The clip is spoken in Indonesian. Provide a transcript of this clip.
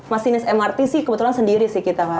mas ini mrt sih kebetulan sendiri sih kita kan